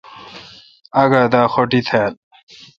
آگہ دا خوٹی تھال۔